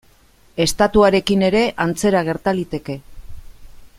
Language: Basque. Estatuarekin ere antzera gerta liteke.